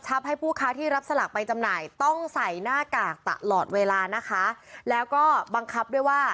ถ้าผู้ส่งสลากไปหน่อย